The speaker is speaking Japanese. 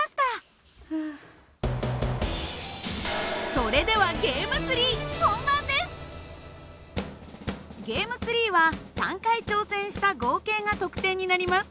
それではＧａｍｅ３は３回挑戦した合計が得点になります。